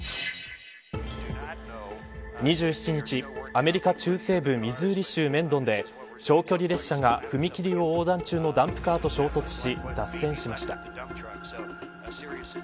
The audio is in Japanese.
２７日、アメリカ中西部ミズーリ州メンドンで長距離列車が踏切を横断中のダンプカーと衝突し脱線しました。